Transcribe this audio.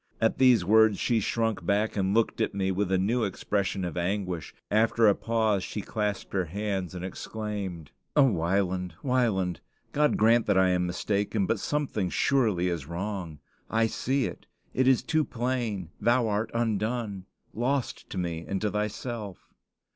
At these words she shrunk back, and looked at me with a new expression of anguish. After a pause, she clasped her hands, and exclaimed: "O Wieland! Wieland! God grant that I am mistaken! but something surely is wrong. I see it; it is too plain; thou art undone lost to me and to thyself."